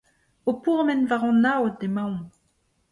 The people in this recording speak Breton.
O pourmen war an aod emaomp.